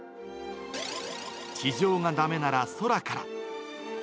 地上がだめなら空から。